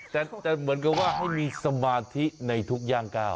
แต่เหมือนกับว่าให้มีสมาธิในทุกย่างก้าว